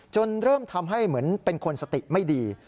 เริ่มทำให้เหมือนเป็นคนสติไม่ดี